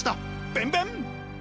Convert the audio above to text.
ベンベン！